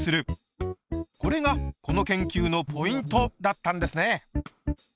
これがこの研究のポイントだったんですね！